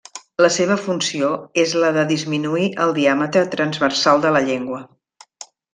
La seva funció és la de disminuir el diàmetre transversal de la llengua.